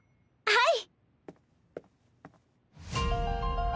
はい。